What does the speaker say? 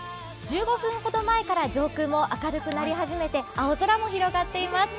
１５分ほど前から上空も明るくなり始めて、青空も広がっています。